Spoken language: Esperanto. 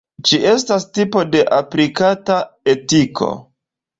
Ĝi estas tipo de aplikata etiko.